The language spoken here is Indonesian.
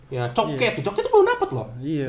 ya coket cocet tuh belum dapet loh